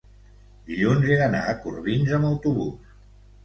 dilluns he d'anar a Corbins amb autobús.